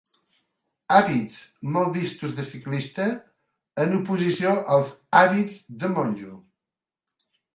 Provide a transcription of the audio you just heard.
Hàbits mal vistos de ciclista, en oposició als hàbits de monjo.